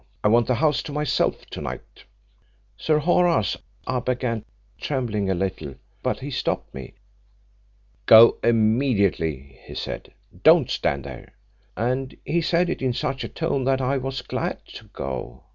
I want the house to myself to night.' 'Sir Horace,' I began, trembling a little, but he stopped me. 'Go immediately,' he said; 'don't stand there,' And he said it in such a tone that I was glad to go.